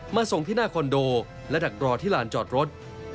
ส่งที่หน้าคอนโดและดักรอที่ลานจอดรถ